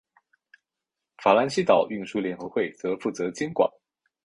法兰西岛运输联合会则负责监管。